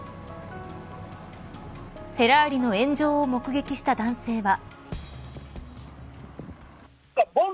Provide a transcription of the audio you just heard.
フェラーリの炎上を目撃した男性は。